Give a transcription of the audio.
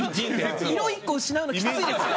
色１個失うのきついですよ。